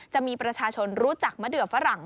จะมีประชาชนรู้จักมะเดือฝรั่ง